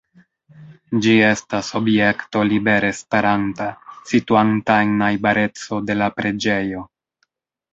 Ĝi estas objekto libere staranta, situanta en najbareco de la preĝejo.